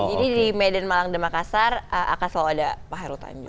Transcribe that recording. jadi di medan malang dan makassar akan selalu ada pak heru tanju